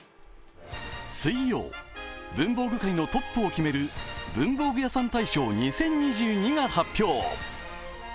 水曜、文房具界のトップを決める文房具屋さん大賞２０２２が発表。